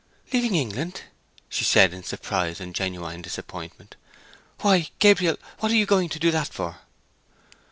"Leaving England!" she said, in surprise and genuine disappointment. "Why, Gabriel, what are you going to do that for?"